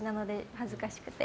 恥ずかしくて。